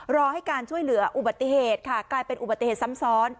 รอให้การช่วยเหลืออุบัติเหตุค่ะกลายเป็นอุบัติเหตุซ้ำซ้อน